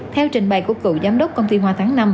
theo trình bày của cựu giám đốc công ty hoa tháng năm